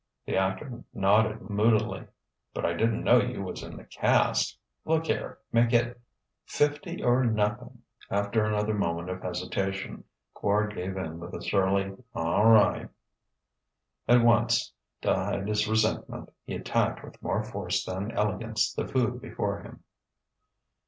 The actor nodded moodily. "But I didn't know you was in the cast.... Look here: make it " "Fifty or nothing." After another moment of hesitation, Quard gave in with a surly "All right." At once, to hide his resentment, he attacked with more force than elegance the food before him.